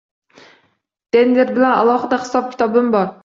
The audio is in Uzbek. Denver bilan alohida hisob-kitobim bor